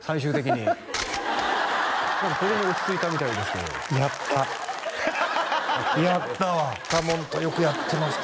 最終的に何かこれに落ち着いたみたいですけどやったやったわ多聞とよくやってました